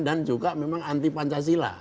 dan juga memang anti pancasila